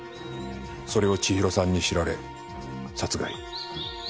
それを千尋さんに知られ殺害。